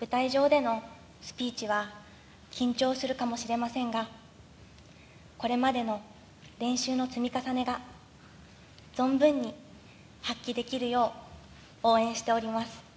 舞台上でのスピーチは緊張するかもしれませんが、これまでの練習の積み重ねが、存分に発揮できるよう応援しております。